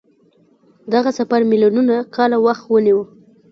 دغه سفر میلیونونه کاله وخت ونیو.